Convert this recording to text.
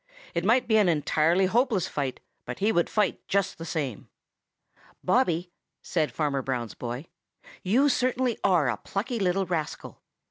It might be an entirely hopeless fight, but he would fight just the same. "Bobby," said Farmer Brown's boy, "you certainly are a plucky little rascal.